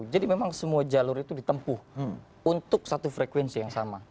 jadi memang semua jalur itu ditempuh untuk satu frekuensi yang sama